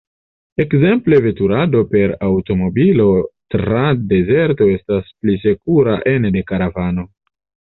Ekzemple veturado per aŭtomobilo tra dezerto estas pli sekura ene de karavano.